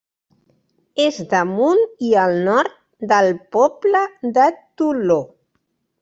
És damunt i al nord del poble de Toló.